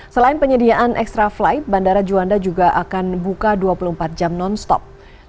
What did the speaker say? selain penyediaan extra flight bandara juanda juga akan buka dua puluh empat jam non stop